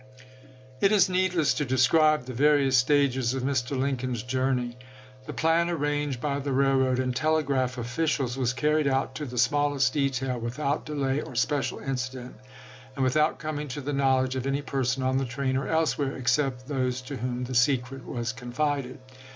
It is needless to describe the various stages of Mr. Lincoln's journey. The plan arranged by the railroad and telegraph officials was carried out to the smallest detail without delay or special inci dent, and without coming to the knowledge of any person on the train or elsewhere, except those to whom the secret was confided.